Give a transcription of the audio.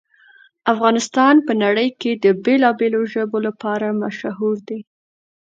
افغانستان په نړۍ کې د بېلابېلو ژبو لپاره مشهور دی.